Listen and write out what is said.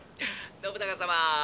「信長様